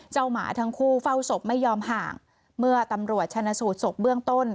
หมาทั้งคู่เฝ้าศพไม่ยอมห่างเมื่อตำรวจชนะสูตรศพเบื้องต้น